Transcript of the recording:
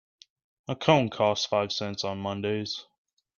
A cone costs five cents on Mondays.